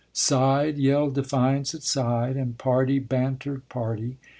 Side yelled defiance at side, and party bantered party.